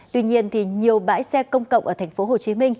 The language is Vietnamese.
tuy nhiên nhiều bãi xe công cộng ở tp hcm